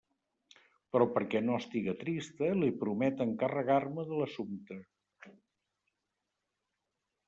Però perquè no estiga trista, li promet encarregar-me de l'assumpte.